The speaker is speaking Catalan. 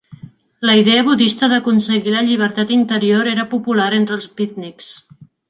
La idea budista d'aconseguir la llibertat interior era popular entre els beatniks.